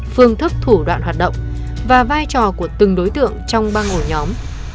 phương thức thủ đoạn hoạt động và vai trò của từng đối tượng trong ba ngôi nhóm